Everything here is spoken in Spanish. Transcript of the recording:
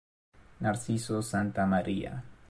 Narciso Santa María.